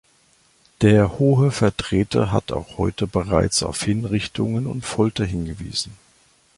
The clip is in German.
Der Hohe Vertreter hat auch heute bereits auf Hinrichtungen und Folter hingewiesen.